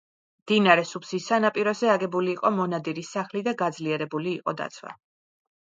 მდინარე სუფსის სანაპიროზე აგებული იყო მონადირის სახლი და გაძლიერებული იყო დაცვა.